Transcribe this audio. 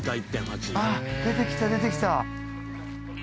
あっ、出てきた、出てきた。